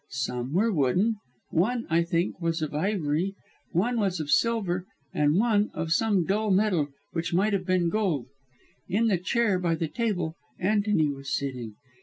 Some were wooden; one, I think, was of ivory; one was of silver and one, of some dull metal, which might have been gold. In the chair, by the table, Antony was sitting.